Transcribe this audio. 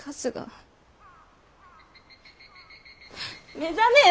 目覚めよ！